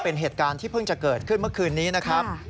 เป็นเหตุการณ์ที่เพิ่งจะเกิดขึ้นเมื่อคืนนี้นะครับ